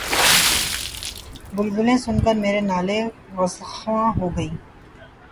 بلبلیں سن کر میرے نالے‘ غزلخواں ہو گئیں